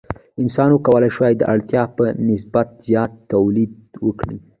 انسان وکولی شوای د اړتیا په نسبت زیات تولید وکړي.